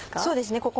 そうですね